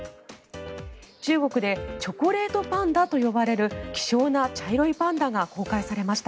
中国でチョコレートパンダと呼ばれる希少な茶色いパンダが公開されました。